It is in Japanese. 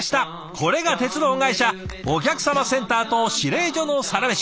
これが鉄道会社お客さまセンターと指令所のサラメシ。